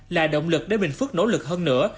là động lực để bình phước nỗ lực hơn nữa